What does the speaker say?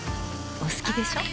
お好きでしょ。